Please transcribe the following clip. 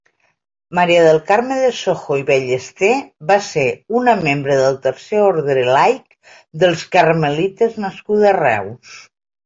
Maria del Carme de Sojo i Ballester va ser una membre del tercer orde laic dels carmelites nascuda a Reus.